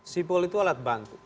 sipol itu alat bantu